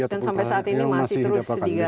dan sampai saat ini masih terus digali